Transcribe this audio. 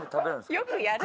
よくやる。